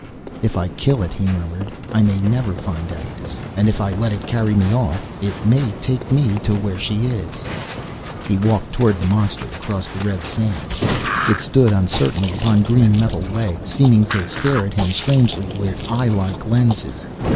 "If I kill it," he murmured, "I may never find Agnes. And if I let it carry me off, it may take me where she is." He walked toward the monster, across the red sand. It stood uncertainly upon green metal legs, seeming to stare at him strangely with eye like lenses.